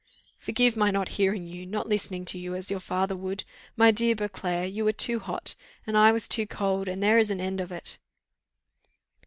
"Forgive my not hearing you, not listening to you, as your father would? My dear Beauclerc, you were too hot, and I was too cold; and there is an end of it."